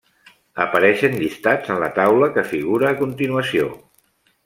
Apareixen llistats en la taula que figura a continuació.